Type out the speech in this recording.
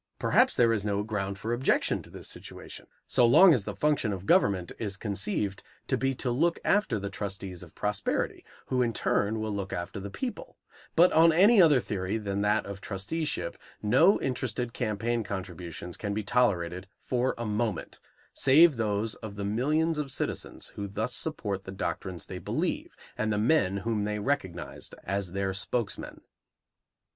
Perhaps there is no ground for objection to this situation so long as the function of government is conceived to be to look after the trustees of prosperity, who in turn will look after the people; but on any other theory than that of trusteeship no interested campaign contributions can be tolerated for a moment, save those of the millions of citizens who thus support the doctrines they believe and the men whom they recognized as their spokesmen.